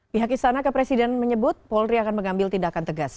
pihak istana kepresiden menyebut polri akan mengambil tindakan tegas